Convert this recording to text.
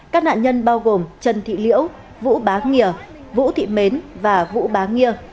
các nạn nhân bao gồm trần thị liễu vũ bá nghia vũ thị mến và vũ bá